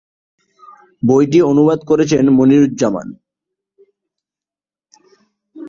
বইটির অনুবাদ করেছেন মুনীরুজ্জামান।